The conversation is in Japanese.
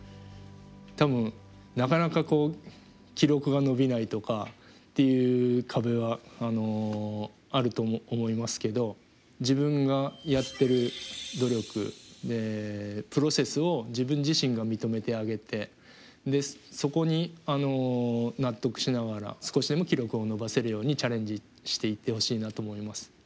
多分なかなか記録が伸びないとかっていう壁はあると思いますけど自分がやってる努力プロセスを自分自身が認めてあげてでそこに納得しながら少しでも記録を伸ばせるようにチャレンジしていってほしいなと思います。